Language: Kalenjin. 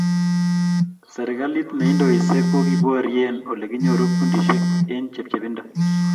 serikalit ne indoise ko porie olekinyoru kundishek eng chepchepindo